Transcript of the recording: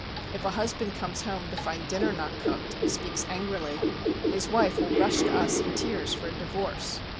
If a husband comes home to find dinner not cooked, and speaks angrily, his wife will rush to us in tears for a divorce.